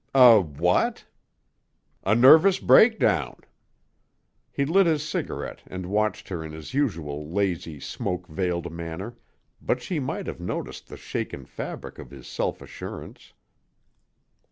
"A what?" "A nervous breakdown." He lit his cigarette and watched her in his usual lazy, smoke veiled manner, but she might have noticed the shaken fabric of his self assurance.